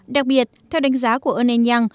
đặc biệt theo đánh giá của unenyang